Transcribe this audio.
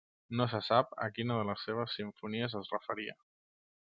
No se sap a quina de les seues simfonies es referia.